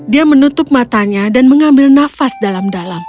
dia menutup matanya dan mengambil nafas dalam dalam